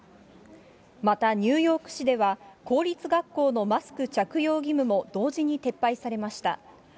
またニューヨーク市では、公立学校のマスク着用義務も同時に撤廃されました。